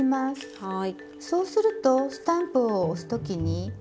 はい。